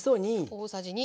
大さじ２。